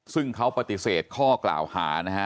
ซึ่งเขาปฏิเสธข้อกล่าวหานะฮะ